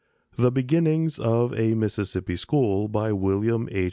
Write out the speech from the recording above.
THE BEGINNINGS OF A MISSISSIPPI SCHOOL WILLIAM H.